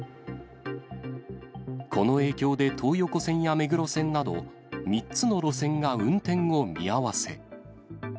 この影響で東横線や目黒線など、３つの路線が運転を見合わせ。